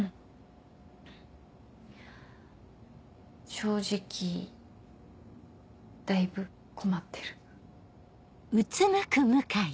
正直だいぶ困ってる。